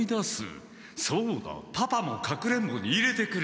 そうだパパも隠れんぼに入れてくれ。